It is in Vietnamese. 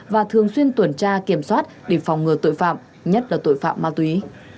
và thường xuyên tuần tra kiểm soát để phòng ngừa tội phạm nhất là tội phạm ma túy